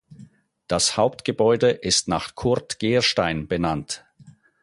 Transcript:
Das Hauptgebäude ist nach Kurt Gerstein benannt.